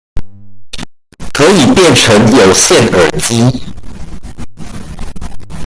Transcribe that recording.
可以變成有線耳機